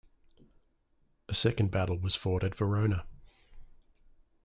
A second battle was fought at Verona.